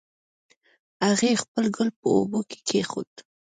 هغې خپل ګل په اوبو کې کېښود